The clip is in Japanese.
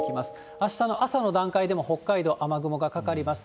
あしたの朝の段階でも北海道、雨雲がかかります。